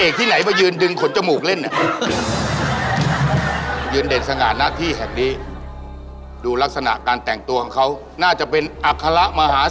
ของชื่อมันยิ่งใหญ่นะอาชา